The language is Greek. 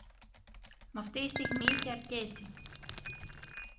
Μ' αυτή η στιγμή είχε αρκέσει.